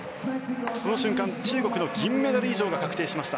この瞬間、中国の銀メダル以上が確定しました。